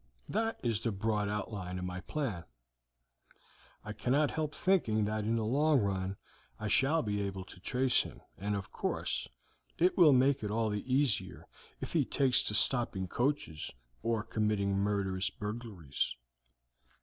That is the broad outline of my plan. I cannot help thinking that in the long run I shall be able to trace him, and of course it will make it all the easier if he takes to stopping coaches or committing murderous burglaries."